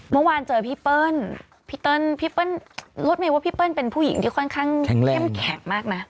เมื่อวานเจอพี่เปิ้ลพี่เติ้ลพี่เปิ้ลรถเมย์ว่าพี่เปิ้ลเป็นผู้หญิงที่ค่อนข้างเข้มแข็งมากนะ